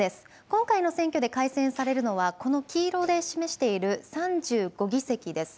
今回の選挙で改選されるのはこの黄色で示している３５議席です。